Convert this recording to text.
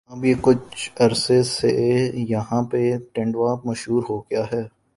اب یہ کچھ عرصے سے یہاں پہ تیندوا مشہور ہوگیاہے